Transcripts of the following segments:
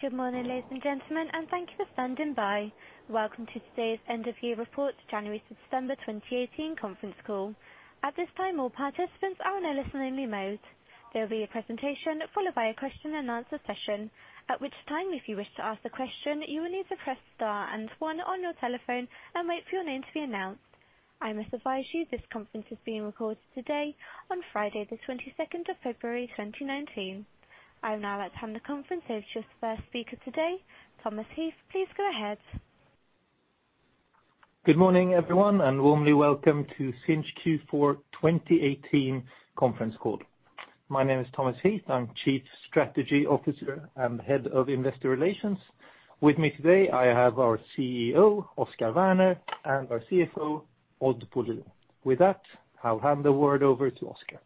Good morning, ladies and gentlemen, thank you for standing by. Welcome to today's end of year report, January to December 2018 conference call. At this time, all participants are in a listen only mode. There will be a presentation, followed by a question and answer session. At which time, if you wish to ask a question, you will need to press star and one on your telephone and wait for your name to be announced. I must advise you this conference is being recorded today on Friday, February 22, 2019. I'll now hand the conference to its first speaker today, Thomas Heath. Please go ahead. Good morning, everyone, warmly welcome to Sinch Q4 2018 conference call. My name is Thomas Heath, I'm Chief Strategy Officer and Head of Investor Relations. With me today, I have our CEO, Oscar Werner, and our CFO, Odd Bolin. With that, I'll hand the word over to Oscar.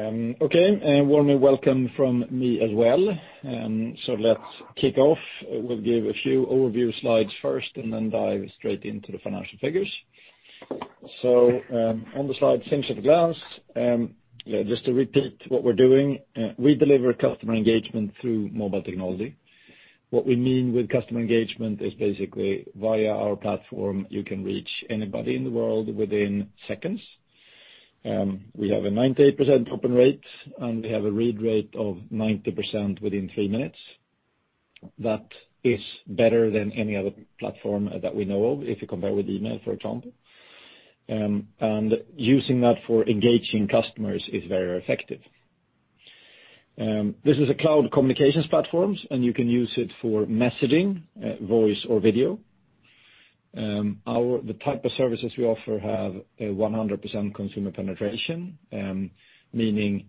Okay, warmly welcome from me as well. Let's kick off. We'll give a few overview slides first and then dive straight into the financial figures. On the slide Sinch at a glance. Just to repeat what we're doing, we deliver customer engagement through mobile technology. What we mean with customer engagement is basically via our platform, you can reach anybody in the world within seconds. We have a 98% open rate, and we have a read rate of 90% within three minutes. That is better than any other platform that we know of, if you compare with email, for example. Using that for engaging customers is very effective. This is a cloud communications platform, and you can use it for messaging, voice or video. The type of services we offer have a 100% consumer penetration, meaning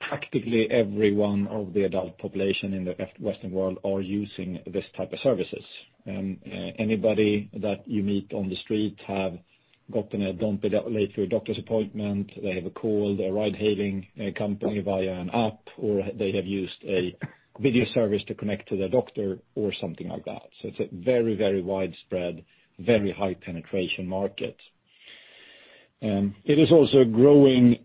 practically every one of the adult population in the Western world are using this type of services. Anybody that you meet on the street have gotten a don't be late for your doctor's appointment, they have a call, a ride-hailing company via an app, or they have used a video service to connect to their doctor or something like that. It's a very widespread, very high penetration market. It is also a growing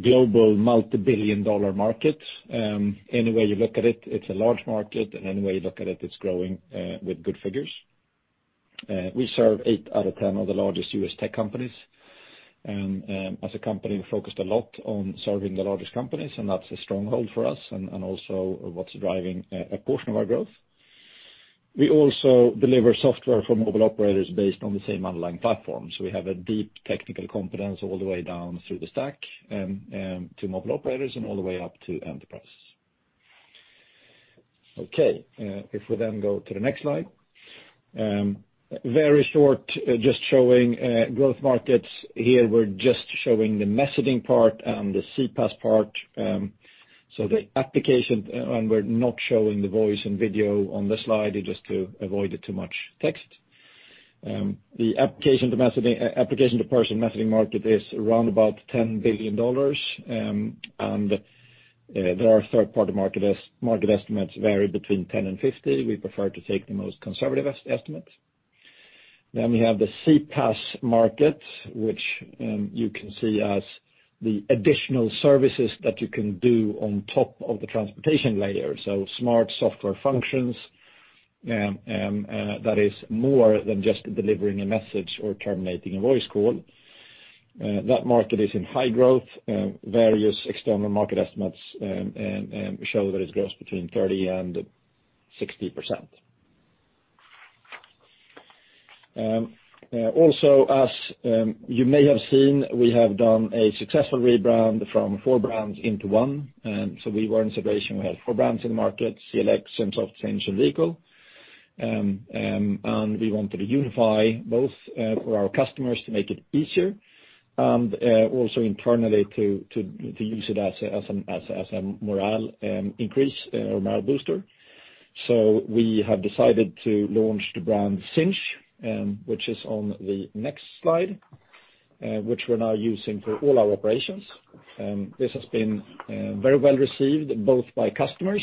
global multi-billion dollar market. Any way you look at it's a large market. Any way you look at it's growing with good figures. We serve eight out of 10 of the largest U.S. tech companies. As a company, we focused a lot on serving the largest companies, and that's a stronghold for us and also what's driving a portion of our growth. We also deliver software for mobile operators based on the same underlying platform. We have a deep technical competence all the way down through the stack to mobile operators and all the way up to enterprise. Okay. If we go to the next slide. Very short, just showing growth markets. Here we're just showing the messaging part and the CPaaS part. We're not showing the voice and video on this slide just to avoid too much text. The application to person messaging market is around about SEK 10 billion. There are third-party market estimates vary between 10 billion and 50 billion. We prefer to take the most conservative estimate. We have the CPaaS market, which you can see as the additional services that you can do on top of the transportation layer. Smart software functions, that is more than just delivering a message or terminating a voice call. That market is in high growth. Various external market estimates show that it grows between 30% and 60%. As you may have seen, we have done a successful rebrand from four brands into one. We were in situation, we had four brands in the market, CLX, Symsoft, Sinch and Vehicle. We wanted to unify both for our customers to make it easier, and also internally to use it as a morale increase, a morale booster. We have decided to launch the brand Sinch, which is on the next slide, which we're now using for all our operations. This has been very well-received, both by customers,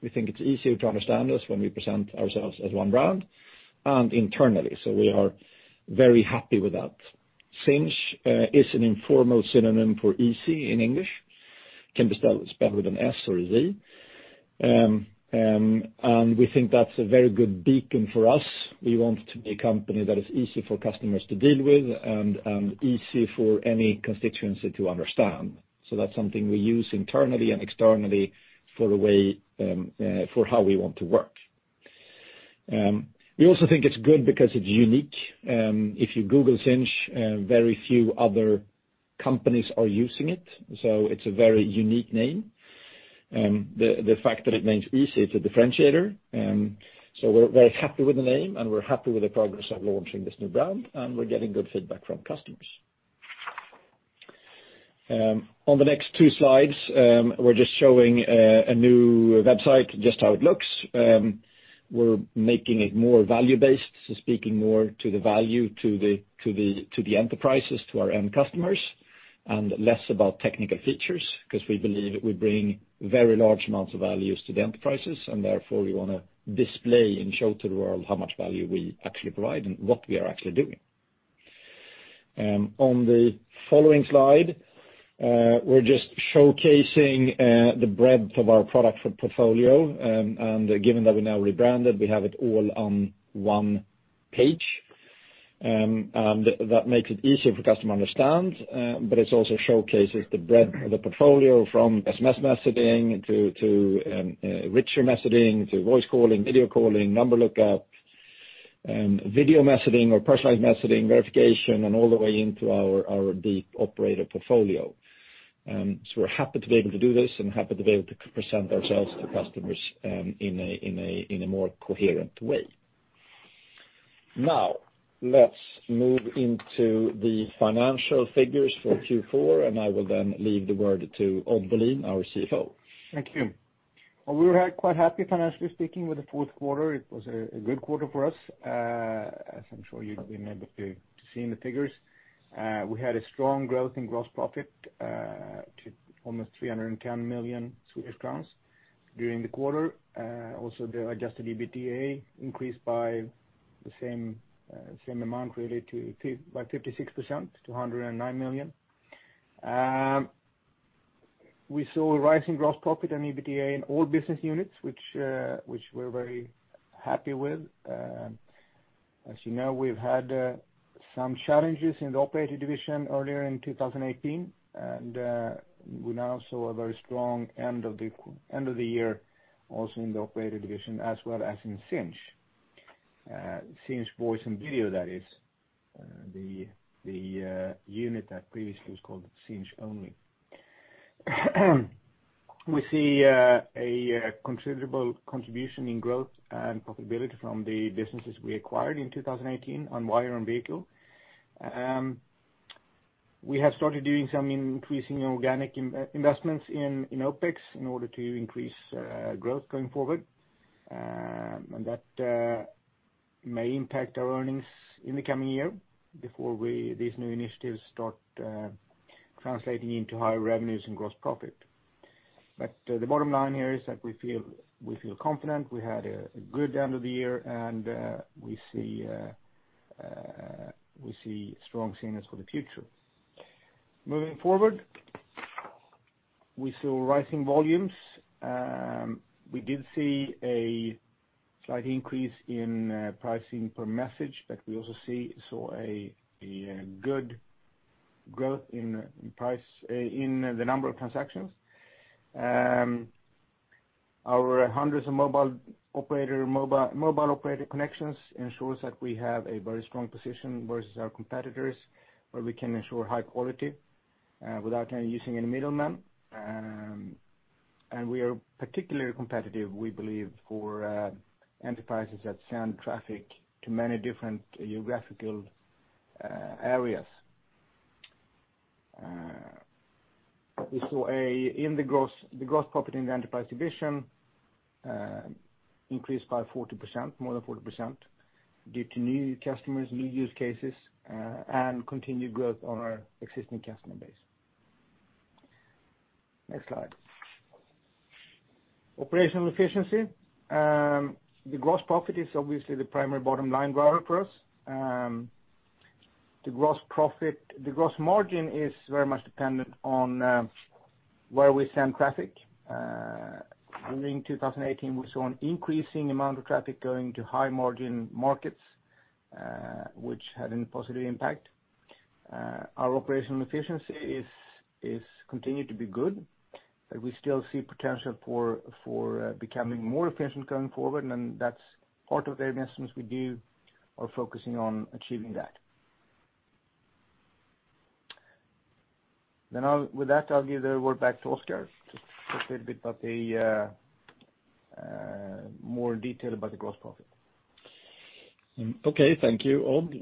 we think it's easier to understand us when we present ourselves as one brand, and internally. We are very happy with that. Sinch is an informal synonym for easy in English, can be spelled with an S or a Z. We think that's a very good beacon for us. We want to be a company that is easy for customers to deal with and easy for any constituency to understand. That's something we use internally and externally for how we want to work. We also think it's good because it's unique. If you Google Sinch, very few other companies are using it, so it's a very unique name. The fact that it means easy, it's a differentiator. We're very happy with the name, we're happy with the progress of launching this new brand, and we're getting good feedback from customers. On the next two slides, we're just showing a new website, just how it looks. We're making it more value-based, so speaking more to the value to the enterprises, to our end customers, and less about technical features, because we believe we bring very large amounts of values to the enterprises, and therefore we want to display and show to the world how much value we actually provide and what we are actually doing. On the following slide, we're just showcasing the breadth of our product portfolio, and given that we now rebranded, we have it all on one page. That makes it easier for customer understand, but it also showcases the breadth of the portfolio from SMS messaging, to richer messaging, to voice calling, video calling, number lookup, video messaging or personalized messaging, verification, and all the way into our deep operator portfolio. We're happy to be able to do this and happy to be able to present ourselves to customers in a more coherent way. Let's move into the financial figures for Q4, I will then leave the word to Odd Bolin, our CFO. Thank you. We were quite happy financially speaking with the fourth quarter. It was a good quarter for us, as I'm sure you've been able to see in the figures. We had a strong growth in gross profit to almost 310 million Swedish crowns during the quarter. Also, the adjusted EBITDA increased by the same amount really, by 56% to 109 million. We saw a rise in gross profit and EBITDA in all business units, which we're very happy with. As you know, we've had some challenges in the operator division earlier in 2018, we now saw a very strong end of the year also in the operator division as well as in Sinch. Sinch Voice and Video that is, the unit that previously was called Sinch only. We see a considerable contribution in growth and profitability from the businesses we acquired in 2018, Unwire and Vehicle. We have started doing some increasing organic investments in OPEX in order to increase growth going forward. That may impact our earnings in the coming year before these new initiatives start translating into higher revenues and gross profit. The bottom line here is that we feel confident, we had a good end of the year, we see strong signals for the future. Moving forward, we saw rising volumes. We did see a slight increase in pricing per message, we also saw a good growth in the number of transactions. Our hundreds of mobile operator connections ensures that we have a very strong position versus our competitors, where we can ensure high quality without using any middlemen. We are particularly competitive, we believe, for enterprises that send traffic to many different geographical areas. We saw the gross profit in the enterprise division increased by 40%, more than 40%, due to new customers, new use cases, and continued growth on our existing customer base. Next slide. Operational efficiency. The gross profit is obviously the primary bottom line driver for us. The gross margin is very much dependent on where we send traffic. During 2018, we saw an increasing amount of traffic going to high-margin markets, which had a positive impact. Our operational efficiency continued to be good, we still see potential for becoming more efficient going forward, that's part of the investments we do are focusing on achieving that. With that, I'll give the word back to Oscar, just a little bit about the more detail about the gross profit. Okay, thank you, Odd.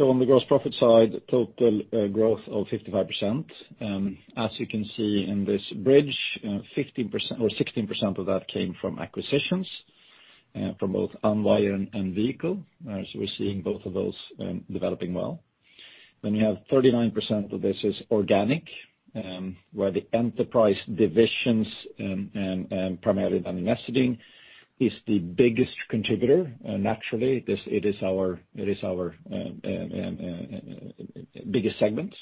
On the gross profit side, total growth of 55%. As you can see in this bridge, 16% of that came from acquisitions, from both Unwire and Vehicle, as we are seeing both of those developing well. You have 39% of this is organic, where the enterprise divisions and primarily the messaging is the biggest contributor. Naturally, it is our biggest segment.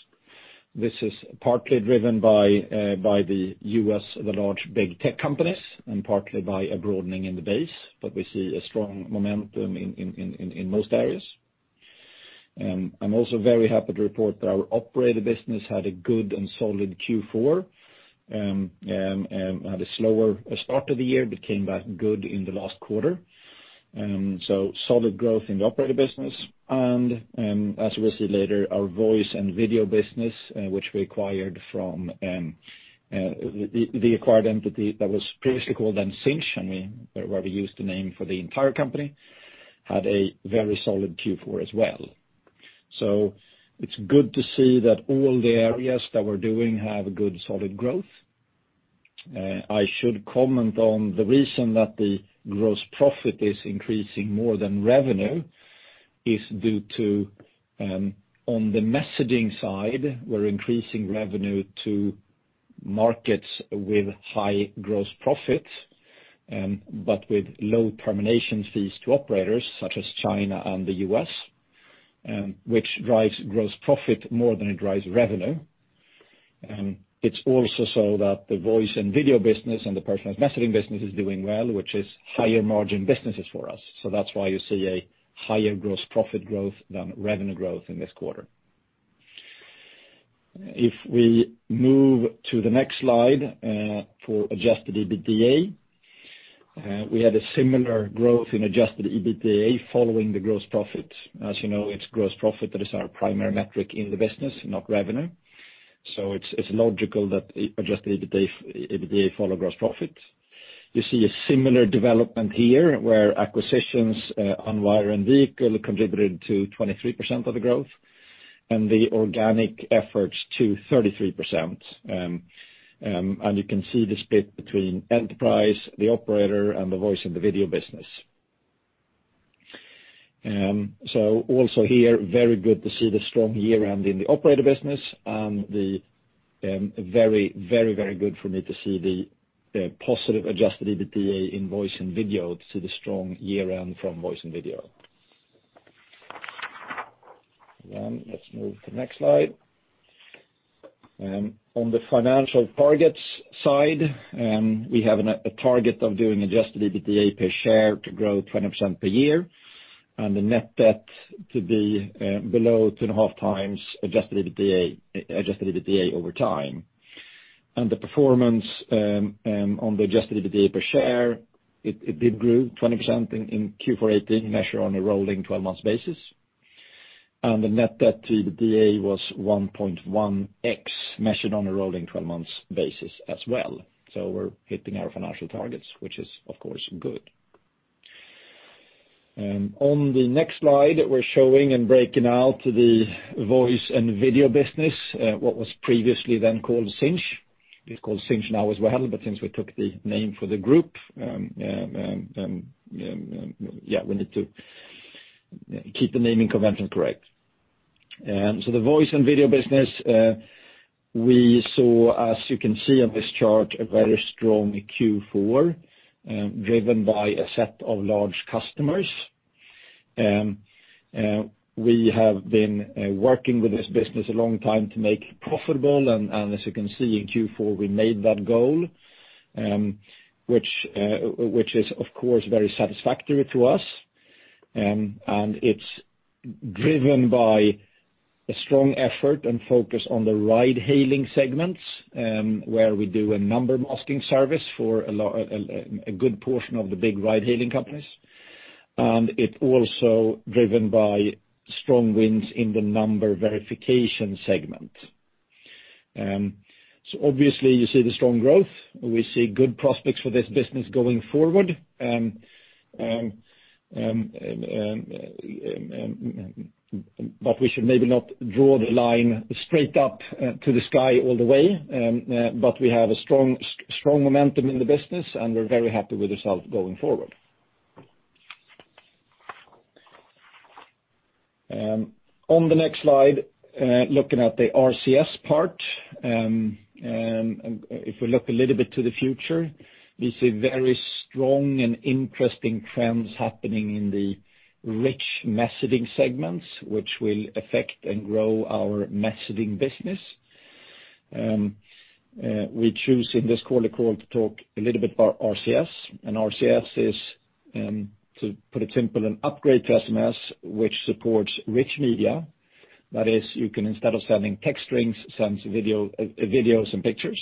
This is partly driven by the U.S., the large, big tech companies, and partly by a broadening in the base, but we see a strong momentum in most areas. I am also very happy to report that our operator business had a good and solid Q4, and had a slower start to the year, but came back good in the last quarter. Solid growth in the operator business. As we see later, our voice and video business, which we acquired from the acquired entity that was previously called Sinch, where we used the name for the entire company, had a very solid Q4 as well. It's good to see that all the areas that we're doing have a good, solid growth. I should comment on the reason that the gross profit is increasing more than revenue is due to, on the messaging side, we're increasing revenue to markets with high gross profit but with low termination fees to operators such as China and the U.S., which drives gross profit more than it drives revenue. It's also that the voice and video business and the personalized messaging business is doing well, which is higher margin businesses for us. That's why you see a higher gross profit growth than revenue growth in this quarter. If we move to the next slide, for adjusted EBITDA, we had a similar growth in adjusted EBITDA following the gross profit. As you know, it's gross profit that is our primary metric in the business, not revenue. It's logical that adjusted EBITDA follow gross profit. You see a similar development here, where acquisitions Unwire and Vehicle contributed to 23% of the growth, and the organic efforts to 33%. You can see the split between enterprise, the operator, and the voice and the video business. Also here, very good to see the strong year-end in the operator business and very good for me to see the positive adjusted EBITDA in voice and video, to see the strong year-end from voice and video. Let's move to the next slide. On the financial targets side, we have a target of doing adjusted EBITDA per share to grow 20% per year, and the net debt to be below 2.5 times. Adjusted EBITDA over time. The performance on the adjusted EBITDA per share, it did grow 20% in Q4 2018, measured on a rolling 12-month basis. The net debt to EBITDA was 1.1x, measured on a rolling 12-month basis as well. We're hitting our financial targets, which is, of course, good. On the next slide, we're showing and breaking out the voice and video business, what was previously then called Sinch. It's called Sinch now as well, but since we took the name for the group, we need to keep the naming convention correct. The voice and video business, we saw, as you can see on this chart, a very strong Q4, driven by a set of large customers. We have been working with this business a long time to make it profitable, and as you can see, in Q4, we made that goal, which is, of course, very satisfactory to us. It's driven by a strong effort and focus on the ride hailing segments, where we do a number masking service for a good portion of the big ride hailing companies. It also driven by strong wins in the number verification segment. Obviously, you see the strong growth. We see good prospects for this business going forward. We should maybe not draw the line straight up to the sky all the way. We have a strong momentum in the business, and we're very happy with the result going forward. On the next slide, looking at the RCS part. If we look a little bit to the future, we see very strong and interesting trends happening in the rich messaging segments, which will affect and grow our messaging business. We choose in this quarter call to talk a little bit about RCS. RCS is, to put it simple, an upgrade to SMS, which supports rich media. That is, you can, instead of sending text strings, send videos and pictures.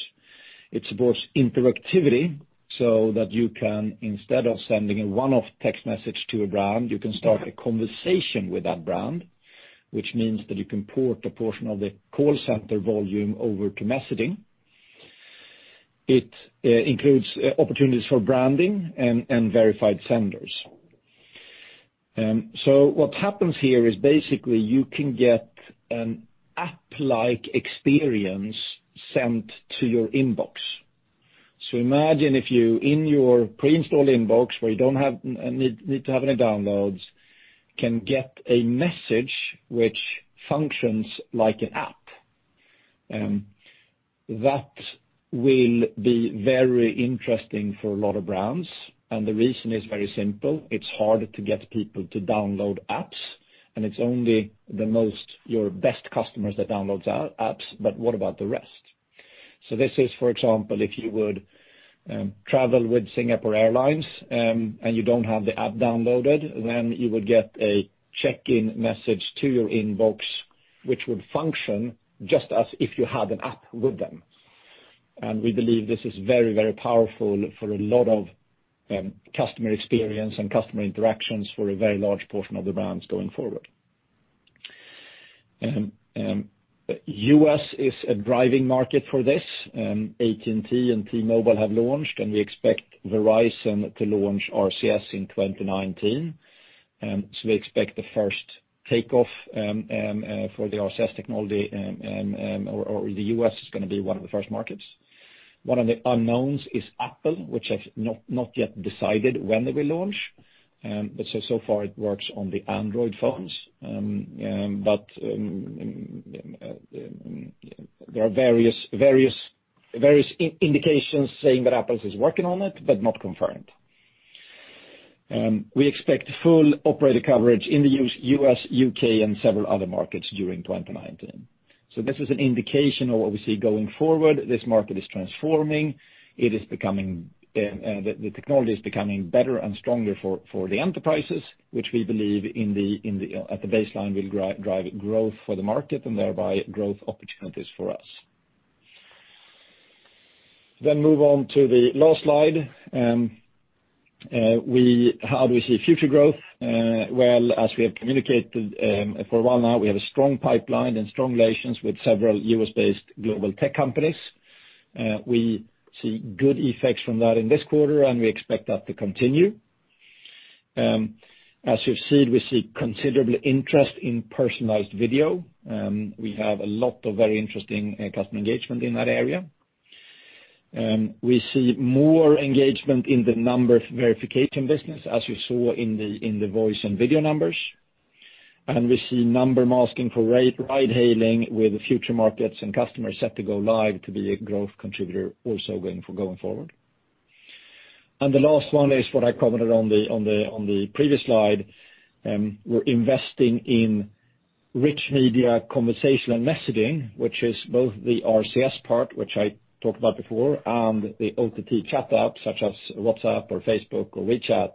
It supports interactivity so that you can, instead of sending a one-off text message to a brand, you can start a conversation with that brand, which means that you can port a portion of the call center volume over to messaging. It includes opportunities for branding and verified senders. What happens here is basically you can get an app-like experience sent to your inbox. Imagine if you, in your pre-installed inbox, where you don't need to have any downloads, can get a message which functions like an app. That will be very interesting for a lot of brands, and the reason is very simple. It's hard to get people to download apps, and it's only your best customers that downloads apps. What about the rest? This is, for example, if you would travel with Singapore Airlines, and you don't have the app downloaded, then you would get a check-in message to your inbox, which would function just as if you had an app with them. We believe this is very powerful for a lot of customer experience and customer interactions for a very large portion of the brands going forward. U.S. is a driving market for this. AT&T and T-Mobile have launched, and we expect Verizon to launch RCS in 2019. We expect the first takeoff for the RCS technology, or the U.S. is going to be one of the first markets. One of the unknowns is Apple, which have not yet decided when they will launch. So far it works on the Android phones. There are various indications saying that Apple is working on it, but not confirmed. We expect full operator coverage in the U.S., U.K., and several other markets during 2019. This is an indication of what we see going forward. This market is transforming. The technology is becoming better and stronger for the enterprises, which we believe at the baseline will drive growth for the market, and thereby growth opportunities for us. Move on to the last slide. How do we see future growth? Well, as we have communicated for a while now, we have a strong pipeline and strong relations with several U.S.-based global tech companies. We see good effects from that in this quarter, and we expect that to continue. As you've seen, we see considerable interest in personalized video. We have a lot of very interesting customer engagement in that area. We see more engagement in the number verification business, as you saw in the voice and video numbers. We see number masking for ride hailing with future markets and customers set to go live to be a growth contributor also going forward. The last one is what I commented on the previous slide. We're investing in rich media conversational messaging, which is both the RCS part, which I talked about before, and the OTT chat apps such as WhatsApp or Facebook or WeChat,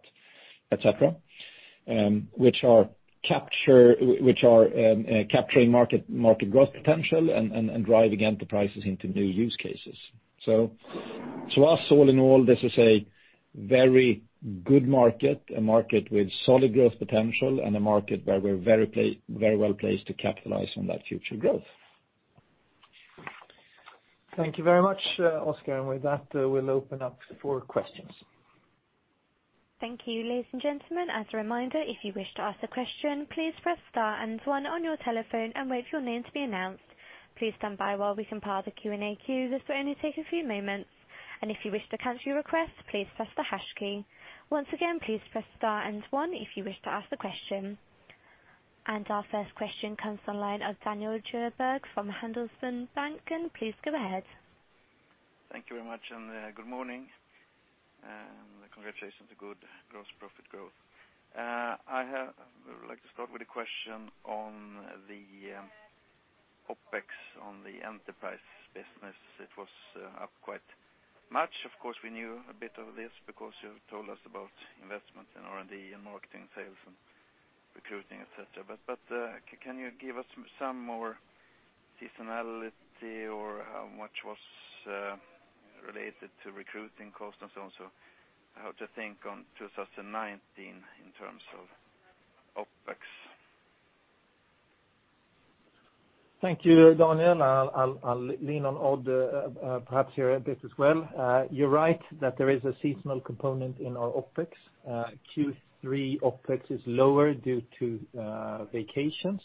et cetera, which are capturing market growth potential and driving enterprises into new use cases. To us, all in all, this is a very good market, a market with solid growth potential, and a market where we're very well-placed to capitalize on that future growth. Thank you very much, Oscar. With that, we'll open up for questions. Thank you, ladies and gentlemen. As a reminder, if you wish to ask a question, please press star and one on your telephone and wait for your name to be announced. Please stand by while we compile the Q&A queue. This will only take a few moments. If you wish to cancel your request, please press the hash key. Once again, please press star and one if you wish to ask a question. Our first question comes on the line of Daniel Djurberg from Handelsbanken. Please go ahead. Thank you very much, and good morning, and congratulations on the good gross profit growth. I would like to start with a question on the OpEx on the enterprise business. It was up quite much. Of course, we knew a bit of this because you told us about investment in R&D and marketing, sales and recruiting, et cetera. Can you give us some more seasonality or how much was related to recruiting costs and so on? How to think on 2019 in terms of OpEx? Thank you, Daniel. I'll lean on Odd perhaps here a bit as well. You're right that there is a seasonal component in our OpEx. Q3 OpEx is lower due to vacations.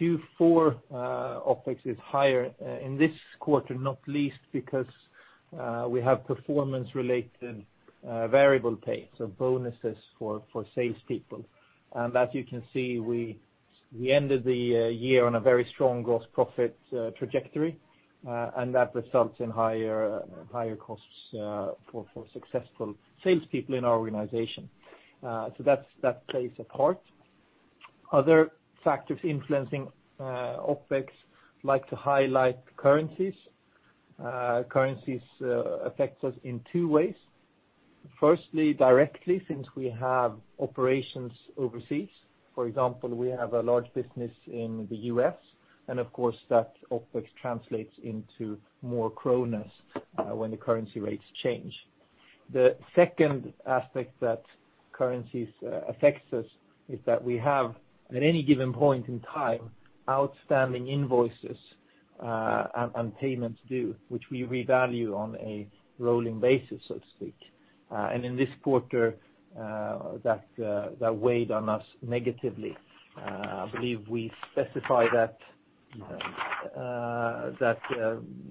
Q4 OpEx is higher in this quarter, not least because we have performance-related variable pay, so bonuses for salespeople. As you can see, we ended the year on a very strong gross profit trajectory, and that results in higher costs for successful salespeople in our organization. That plays a part. Other factors influencing OpEx, I'd like to highlight currencies. Currencies affect us in two ways. Firstly, directly, since we have operations overseas, for example, we have a large business in the U.S., and of course that OpEx translates into more kronas when the currency rates change. The second aspect that currencies affect us is that we have, at any given point in time, outstanding invoices and payments due, which we revalue on a rolling basis, so to speak. In this quarter, that weighed on us negatively. I believe we specify that.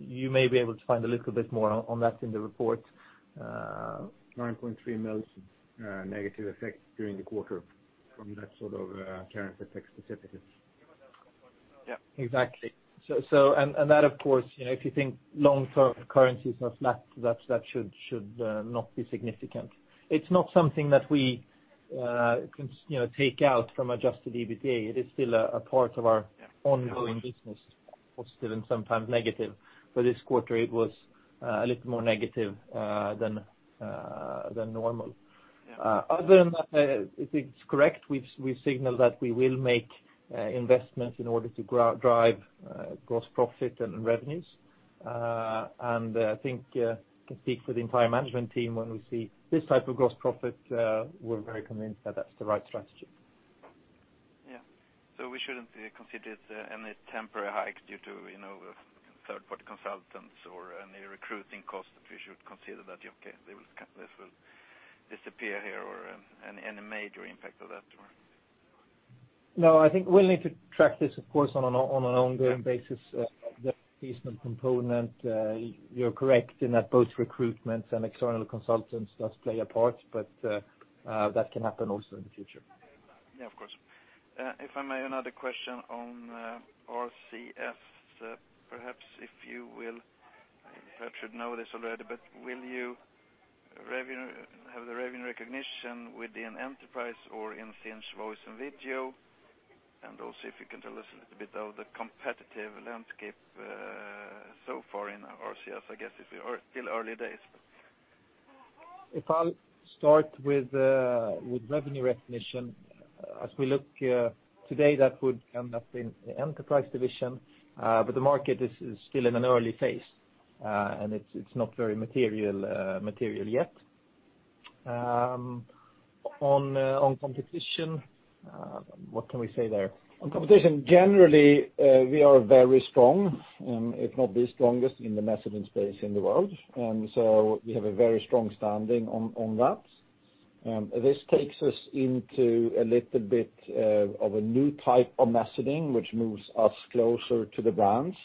You may be able to find a little bit more on that in the report. 9.3 million negative effect during the quarter from that sort of currency effect specifically. Yeah, exactly. That, of course, if you think long term, currencies are flat, that should not be significant. It is not something that we take out from adjusted EBITDA. It is still a part of our ongoing business, positive and sometimes negative. For this quarter, it was a little more negative than normal. Other than that, I think it is correct. We signal that we will make investments in order to drive gross profit and revenues. I think I can speak for the entire management team when we see this type of gross profit, we are very convinced that that is the right strategy. Yeah. We should not consider it any temporary hike due to third-party consultants or any recruiting cost that we should consider that, okay, this will disappear here or any major impact of that. I think we will need to track this, of course, on an ongoing basis, the seasonal component. You are correct in that both recruitment and external consultants does play a part, but that can happen also in the future. Yeah, of course. If I may, another question on RCS. Perhaps if you will, perhaps should know this already, but will you have the revenue recognition within enterprise or in Sinch Voice and Video? Also, if you can tell us a little bit of the competitive landscape so far in RCS, I guess it is still early days. If I'll start with revenue recognition. As we look here today, that would end up in the enterprise division, but the market is still in an early phase, and it's not very material yet. On competition, what can we say there? On competition, generally, we are very strong, if not the strongest in the messaging space in the world. We have a very strong standing on that. This takes us into a little bit of a new type of messaging, which moves us closer to the brands.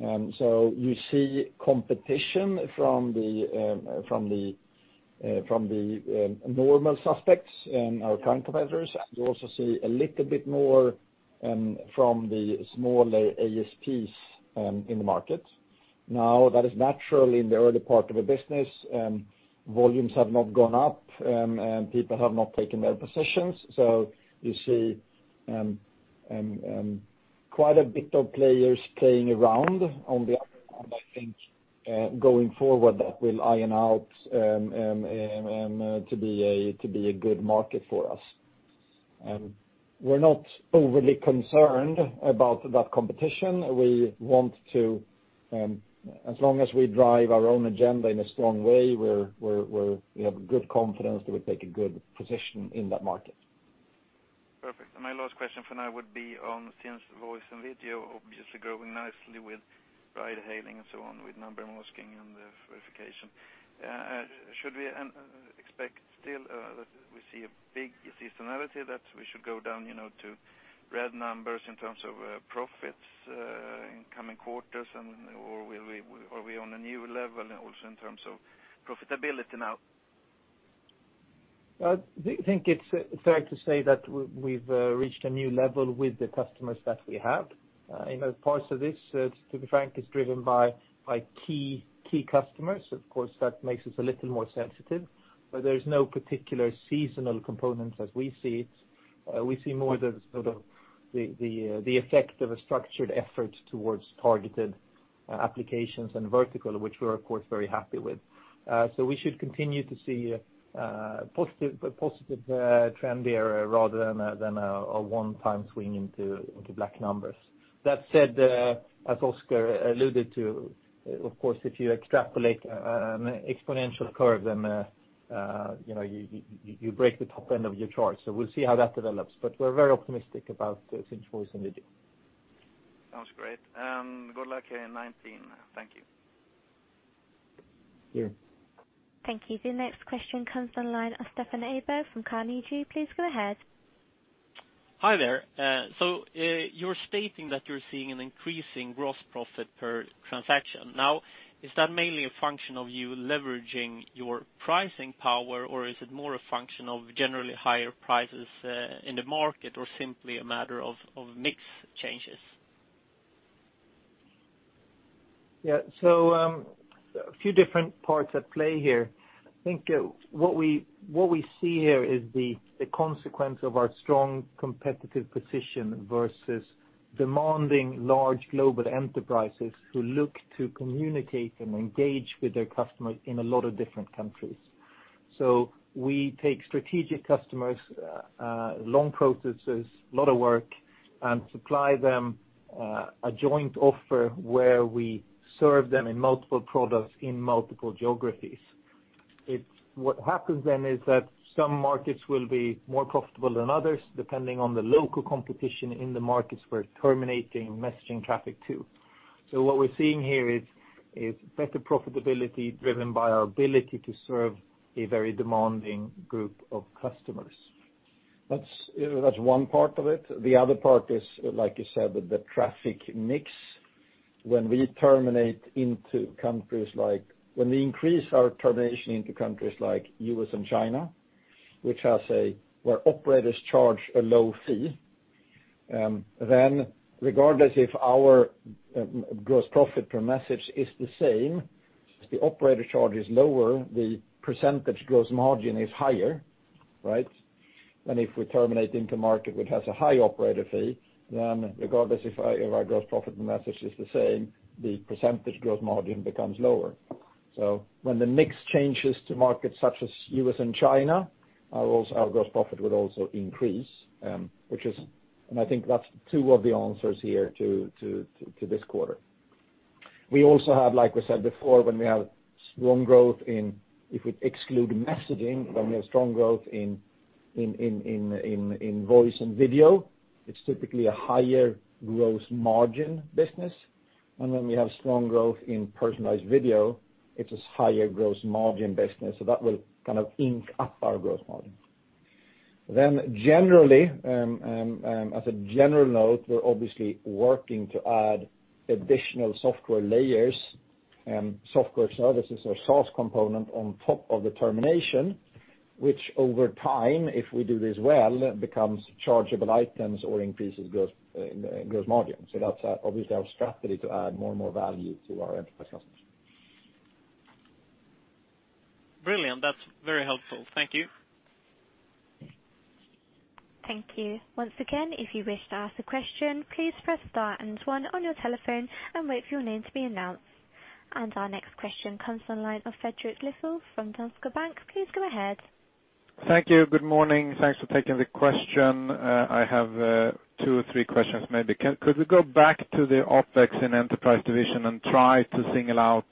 You see competition from the normal suspects and our current competitors. You also see a little bit more from the smaller ASPs in the market. Now, that is naturally in the early part of a business, volumes have not gone up, and people have not taken their positions. You see quite a bit of players playing around. On the other hand, I think, going forward, that will iron out to be a good market for us. We're not overly concerned about that competition. As long as we drive our own agenda in a strong way, we have good confidence that we take a good position in that market. Perfect. My last question for now would be on Sinch Voice and Video, obviously growing nicely with ride hailing and so on, with number masking and verification. Should we expect still that we see a big seasonality, that we should go down to red numbers in terms of profits in coming quarters, or are we on a new level also in terms of profitability now? I think it's fair to say that we've reached a new level with the customers that we have. Parts of this, to be frank, is driven by key customers. Of course, that makes us a little more sensitive, but there's no particular seasonal component as we see it. We see more the effect of a structured effort towards targeted applications and vertical, which we're, of course, very happy with. We should continue to see a positive trend there rather than a one-time swing into black numbers. That said, as Oscar alluded to, of course, if you extrapolate an exponential curve, then you break the top end of your chart. We'll see how that develops, but we're very optimistic about Sinch Voice and Video. Sounds great, and good luck here in 2019. Thank you. Thank you. Thank you. The next question comes online, Stefan Aber from Carnegie Investment Bank. Please go ahead. Hi there. You're stating that you're seeing an increase in gross profit per transaction. Is that mainly a function of you leveraging your pricing power, or is it more a function of generally higher prices in the market or simply a matter of mix changes? Yeah. A few different parts at play here. I think what we see here is the consequence of our strong competitive position versus demanding large global enterprises who look to communicate and engage with their customers in a lot of different countries. We take strategic customers, long processes, lot of work, and supply them a joint offer where we serve them in multiple products in multiple geographies. What happens is that some markets will be more profitable than others, depending on the local competition in the markets we're terminating messaging traffic to. What we're seeing here is better profitability driven by our ability to serve a very demanding group of customers. That's one part of it. The other part is, like you said, the traffic mix. When we increase our termination into countries like U.S. and China, where operators charge a low fee, regardless if our gross profit per message is the same, since the operator charge is lower, the percentage gross margin is higher, right? If we terminate into market, which has a high operator fee, regardless if our gross profit message is the same, the percentage gross margin becomes lower. When the mix changes to markets such as U.S. and China, our gross profit would also increase. I think that's two of the answers here to this quarter. We also have, like we said before, when we have strong growth in, if we exclude messaging, when we have strong growth in voice and video, it's typically a higher gross margin business. We have strong growth in personalized video. It's this higher gross margin business, that will ink up our gross margin. As a general note, we're obviously working to add additional software layers and software services or SaaS component on top of the termination, which over time, if we do this well, becomes chargeable items or increases gross margin. That's obviously our strategy to add more and more value to our enterprise customers. Brilliant. That's very helpful. Thank you. Thank you. Once again, if you wish to ask a question, please press star and one on your telephone and wait for your name to be announced. Our next question comes on the line of Fredrik Lithell from Danske Bank. Please go ahead. Thank you. Good morning. Thanks for taking the question. I have two or three questions maybe. Could we go back to the OpEx in enterprise division and try to single out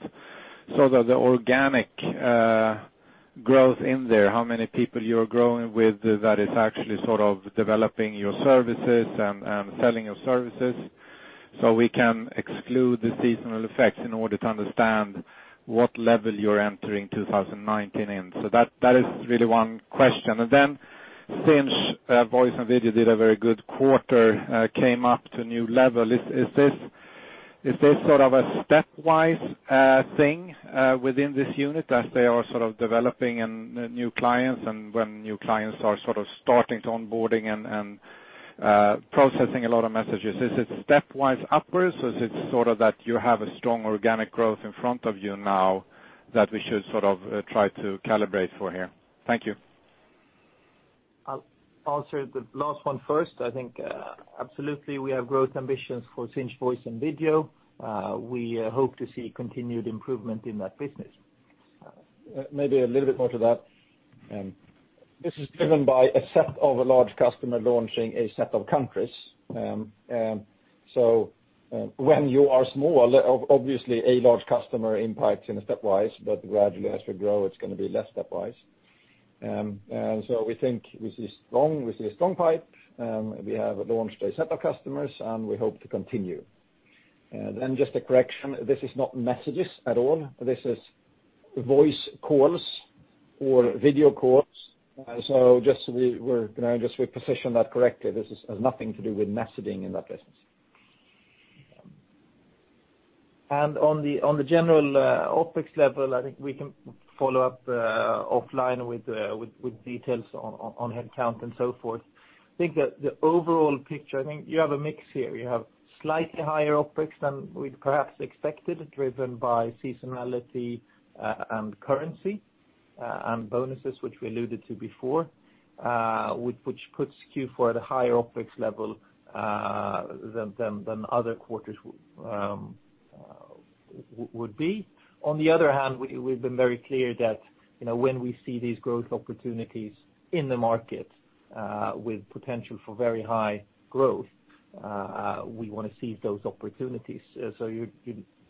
so that the organic growth in there, how many people you're growing with that is actually developing your services and selling your services, so we can exclude the seasonal effects in order to understand what level you're entering 2019 in. That is really one question. Then Sinch Voice and Video did a very good quarter, came up to a new level. Is this a stepwise thing within this unit as they are developing and new clients and when new clients are starting to onboarding and processing a lot of messages? Is it stepwise upwards or is it that you have a strong organic growth in front of you now that we should try to calibrate for here? Thank you. I'll answer the last one first. I think, absolutely, we have growth ambitions for Sinch Voice and Video. We hope to see continued improvement in that business. Maybe a little bit more to that. This is driven by a set of a large customer launching a set of countries. When you are small, obviously a large customer impacts in a stepwise, but gradually as we grow, it's going to be less stepwise. We think we see a strong pipe, we have launched a set of customers, and we hope to continue. Just a correction, this is not messages at all. This is voice calls or video calls. Just so we position that correctly, this has nothing to do with messaging in that business. On the general OpEx level, I think we can follow up offline with details on headcount and so forth. I think that the overall picture, I think you have a mix here. You have slightly higher OpEx than we'd perhaps expected, driven by seasonality and currency, and bonuses which we alluded to before, which puts Q4 at a higher OpEx level than other quarters would be. On the other hand, we've been very clear that when we see these growth opportunities in the market, with potential for very high growth, we want to seize those opportunities.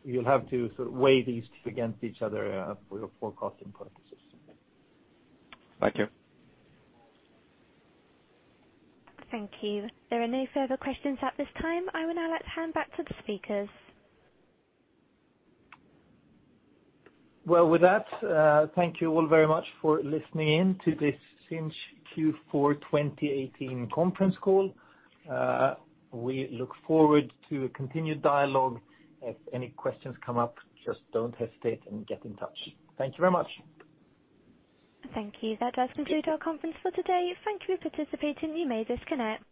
You'll have to weigh these two against each other for your forecasting purposes. Thank you. Thank you. There are no further questions at this time. I would now like to hand back to the speakers. Well, with that, thank you all very much for listening in to this Sinch Q4 2018 conference call. We look forward to a continued dialogue. If any questions come up, just don't hesitate and get in touch. Thank you very much. Thank you. That does conclude our conference for today. Thank you for participating. You may disconnect.